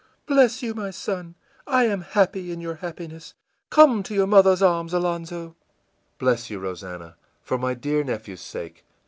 ìBless you, my son! I am happy in your happiness. Come to your mother's arms, Alonzo!î ìBless you, Rosannah, for my dear nephew's sake!